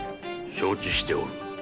承知しておる。